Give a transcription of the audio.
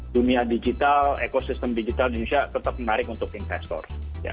dunia digital ekosistem digital di indonesia tetap menarik untuk investor